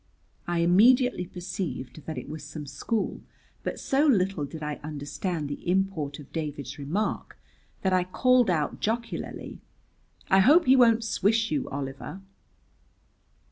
I immediately perceived that it was some school, but so little did I understand the import of David's remark that I called out jocularly, "I hope he won't swish you, Oliver."